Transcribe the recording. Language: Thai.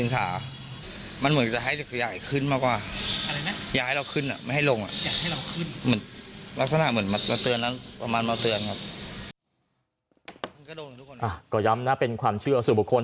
ก็ย้ำนะเป็นความเชื่อสู่บุคคล